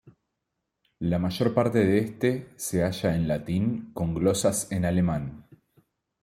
La mayor parte de este se halla en latín, con glosas en alemán.